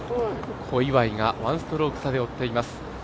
小祝が１ストローク差で追っています。